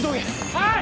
はい！